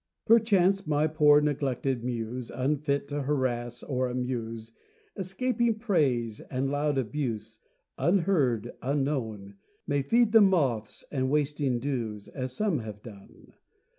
Perchance, my poor neglected Muse Unfit to harass or amuse, Escaping praise and loud abuse, Unheard, unknown, May feed the moths and wasting dews, As some have done.